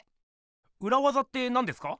うらわざってなんですか？